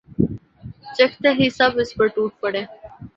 چکھتے ہی سب اس پر ٹوٹ پڑے